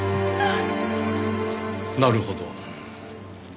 なるほど。